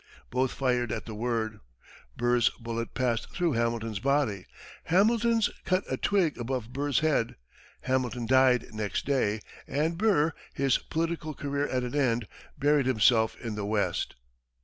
Both fired at the word; Burr's bullet passed through Hamilton's body; Hamilton's cut a twig above Burr's head. Hamilton died next day, and Burr, his political career at an end, buried himself in the West.